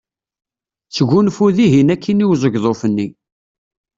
Sgunfu dihin akkin i uzegḍuf-nni.